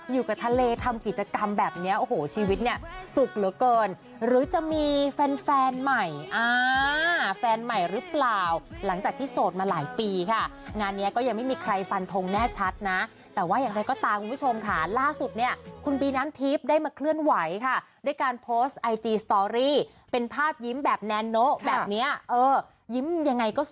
อยู่กับทะเลทำกิจกรรมแบบเนี้ยโอ้โหชีวิตเนี้ยสุขเหลือเกิน